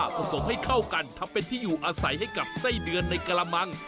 ผสมให้เข้ากันทำเป็นที่อยู่อาศัยให้กับไส้เดือนในกระมัง